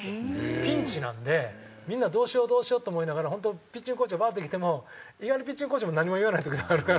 ピンチなんでみんなどうしようどうしようと思いながら本当ピッチングコーチがバッて来ても意外にピッチングコーチも何も言わない時とかあるから。